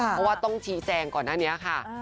เพราะว่าต้องชี้แจงก่อนหน้านี้ค่ะ